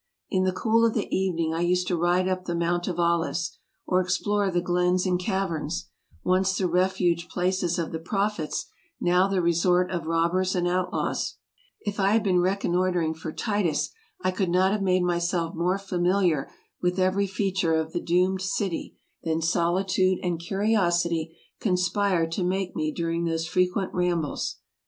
In the cool of the evening I used to ride up the Mount of Olives, or explore the glens 256 TRAVELERS AND EXPLORERS and caverns, once the refuge places of the Prophets, now the resort of robbers and outlaws. If I had been recon noitering for Titus I could not have made myself more familiar with every feature of the doomed city than solitude and curi osity conspired to make me during those frequent rambles.